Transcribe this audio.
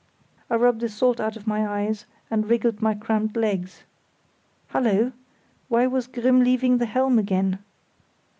I rubbed the salt out of my eyes and wriggled my cramped legs.... Hullo! why was Grimm leaving the helm again?